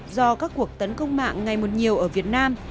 do các cuộc tấn công mạng ngày một nhiều ở việt nam